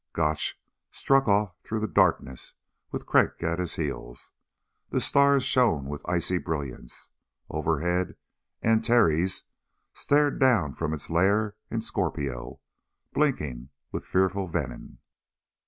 Gotch struck off through the darkness with Crag at his heels. The stars shone with icy brilliance. Overhead Antares stared down from its lair in Scorpio, blinking with fearful venom.